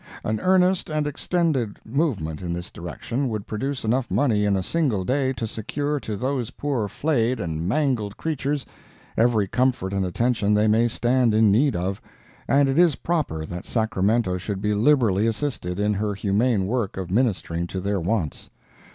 An earnest and extended movement in this direction would produce enough money in a single day to secure to those poor flayed and mangled creatures every comfort and attention they may stand in need of, and it is proper that Sacramento should be liberally assisted in her humane work of ministering to their wants.